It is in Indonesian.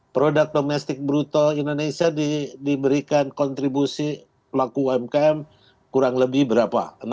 produk domestik bruto indonesia diberikan kontribusi pelaku umkm kurang lebih berapa